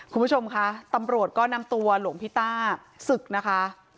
คุณผู้ชมคะตำรวจก็นำตัวหลวงพี่ต้าศึกนะคะ